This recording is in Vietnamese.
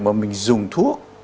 mà mình dùng thuốc